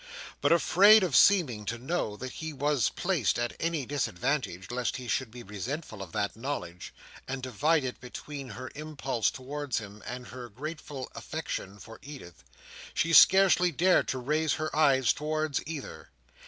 But afraid of seeming to know that he was placed at any disadvantage, lest he should be resentful of that knowledge; and divided between her impulse towards him, and her grateful affection for Edith; she scarcely dared to raise her eyes towards either.